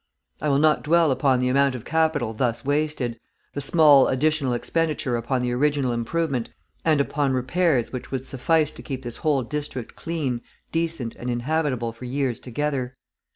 I will not dwell upon the amount of capital thus wasted, the small additional expenditure upon the original improvement and upon repairs which would suffice to keep this whole district clean, decent, and inhabitable for years together.